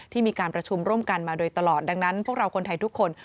มีการประชุมร่วมกันมาโดยตลอดดังนั้นพวกเราคนไทยทุกคน